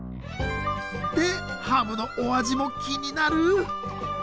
でハムのお味も気になる。